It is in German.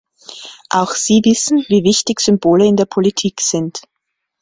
Auch Sie wissen, wie wichtig Symbole in der Politik sind.